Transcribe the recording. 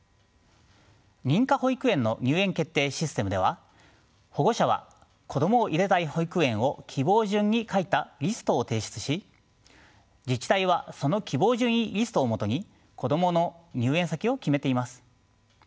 認可保育園の入園決定システムでは保護者は子供を入れたい保育園を希望順に書いたリストを提出し自治体はその希望順位リストをもとに子供の入園先を決めています。